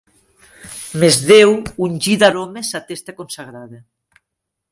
Mes Déu ungí d'aroma sa testa consagrada.